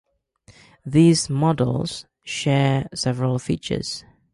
These models share several features.